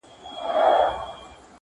هم ښکنځلي پکښي وسوې هم جنګونه.!